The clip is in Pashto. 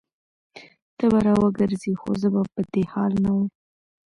ته به راوګرځي خو زه به په دې حال نه وم